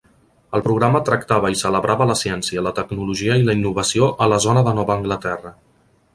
El programa tractava i celebrava la ciència, la tecnologia i la innovació a la zona de Nova Anglaterra.